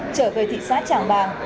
trở về thị xã tràng bàng